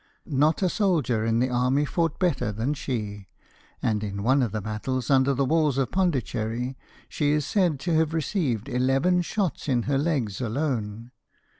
Not a soldier in the army fought better than she, and in one of the battles under the walls of Pondicherry, she is said to have received eleven shots in her legs alone!